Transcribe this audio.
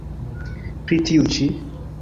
Pri tiu ĉi?